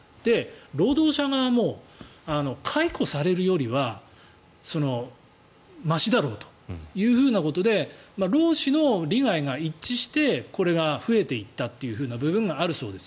労働者側も解雇されるよりはましだろうということで労使の利害が一致してこれが増えていったという部分があるそうです。